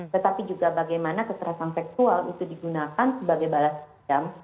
tetapi juga bagaimana kekerasan seksual itu digunakan sebagai balas jam